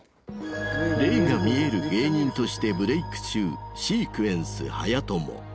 霊が見える芸人としてブレーク中シークエンスはやとも。